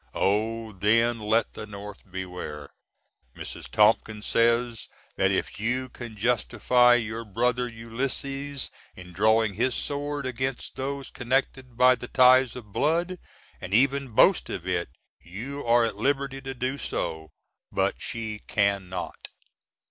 Oh! then let the North beware! Mrs. Tompkins says that if you can justify your Bro. Ulysses in drawing his sword against those connected by the ties of blood, and even boast of it, you are at liberty to do so, but she can not.